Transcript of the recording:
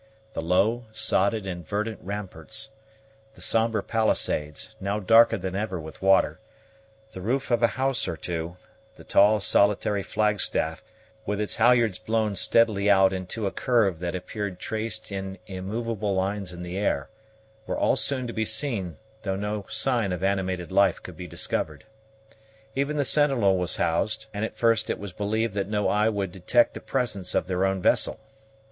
The low, sodded, and verdant ramparts, the sombre palisades, now darker than ever with water, the roof of a house or two, the tall, solitary flagstaff, with its halyards blown steadily out into a curve that appeared traced in immovable lines in the air, were all soon to be seen though no sign of animated life could be discovered. Even the sentinel was housed; and at first it was believed that no eye would detect the presence of their own vessel.